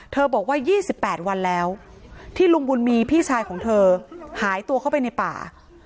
บอกว่า๒๘วันแล้วที่ลุงบุญมีพี่ชายของเธอหายตัวเข้าไปในป่า